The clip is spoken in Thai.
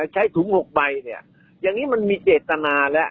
ใช้ถุง๖ใบเนี่ยอย่างนี้มันมีเจตนาแล้ว